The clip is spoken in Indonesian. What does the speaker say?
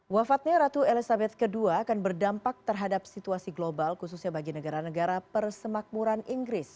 wafatnya ratu elizabeth ii akan berdampak terhadap situasi global khususnya bagi negara negara persemakmuran inggris